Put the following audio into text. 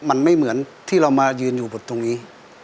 มันไม่เหมือนที่เรามายืนอยู่บนตรงนี้